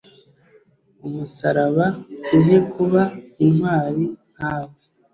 umusaraba, duhe kuba intwari nkawe